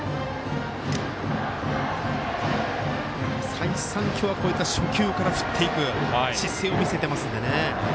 再三、今日は初球から振っていく姿勢を見せていますのでね。